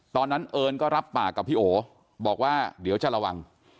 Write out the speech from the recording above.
เอิญก็รับปากกับพี่โอบอกว่าเดี๋ยวจะระวัง